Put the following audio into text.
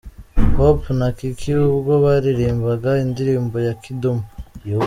Hope na Kiki ubwo baririmbaga indirimbo ya Kidum.